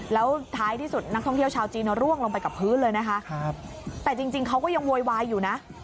แล้วท้ายที่สุดนักท่องเที่ยวชาวจีนร่วงลงไปกับพื้นเลยนะคะแต่จริงเขาก็ยังโวยวายอยู่นะ